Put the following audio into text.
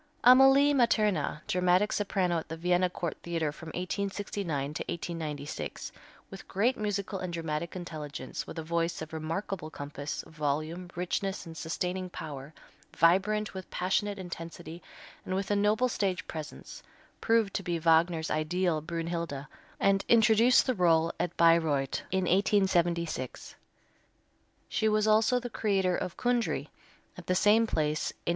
Amalie Materna, dramatic soprano at the Vienna Court Theatre from 1869 to 1896, with great musical and dramatic intelligence, with a voice of remarkable compass, volume, richness and sustaining power, vibrant with passionate intensity, and with a noble stage presence, proved to be Wagner's ideal Brünnhilde and introduced the rôle at Bayreuth in 1876. She was also the creator of Kundry at the same place in 1882.